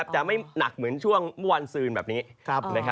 จะไม่หนักเหมือนช่วงเมื่อวานซืนแบบนี้